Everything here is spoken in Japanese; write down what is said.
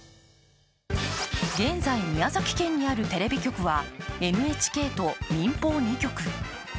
現在、宮崎県にあるテレビ局はＮＨＫと民放２局。